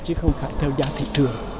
chứ không phải theo giá thị trường